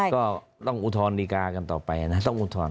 ก็ต้องอุทธรณดีกากันต่อไปนะต้องอุทธรณ